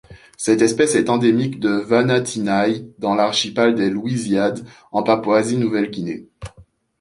Cette espèce est endémique de Vanatinai dans l'archipel des Louisiades en Papouasie-Nouvelle-Guinée.